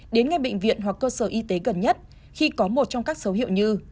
đến ngay bệnh viện hoặc cơ sở y tế gần nhất khi có một trong các dấu hiệu như